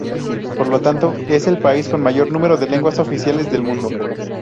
Por lo tanto, es el país con mayor número de lenguas oficiales del mundo.